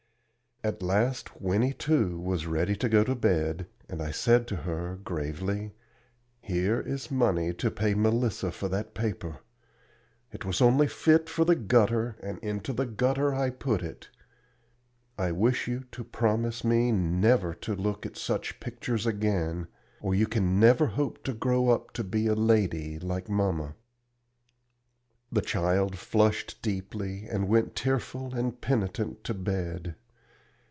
At last Winnie too was ready to go to bed, and I said to her, gravely: "Here is money to pay Melissa for that paper. It was only fit for the gutter, and into the gutter I put it. I wish you to promise me never to look at such pictures again, or you can never hope to grow up to be a lady like mamma." The child flushed deeply, and went tearful and penitent to bed.